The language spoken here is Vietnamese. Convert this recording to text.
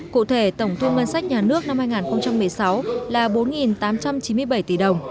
cụ thể tổng thu ngân sách nhà nước năm hai nghìn một mươi sáu là bốn tám trăm chín mươi bảy tỷ đồng